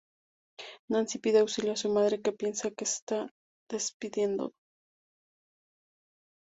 Nancy pide auxilio a su madre, que piensa que se está despidiendo.